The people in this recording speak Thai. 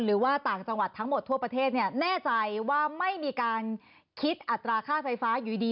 หรือว่าต่างจังหวัดทั้งหมดทั่วประเทศเนี่ยแน่ใจว่าไม่มีการคิดอัตราค่าไฟฟ้าอยู่ดี